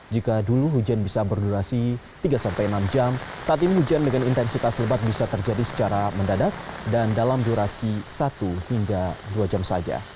jika dulu hujan bisa berdurasi tiga sampai enam jam saat ini hujan dengan intensitas lebat bisa terjadi secara mendadak dan dalam durasi satu hingga dua jam saja